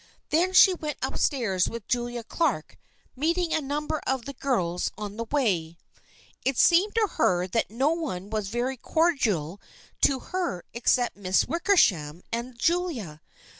Then she went up stairs with Julia Clark, meeting a number of the girls on the way. It seemed to her that no one was very cordial to THE FRIENDSHIP OF ANNE 233 her except Miss Wickersham and Julia.